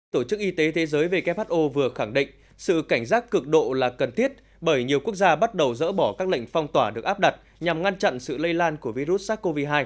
tổ chức y tế thế giới who vừa khẳng định sự cảnh giác cực độ là cần thiết bởi nhiều quốc gia bắt đầu dỡ bỏ các lệnh phong tỏa được áp đặt nhằm ngăn chặn sự lây lan của virus sars cov hai